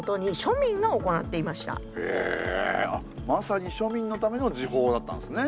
まさに庶民のための時報だったんですね。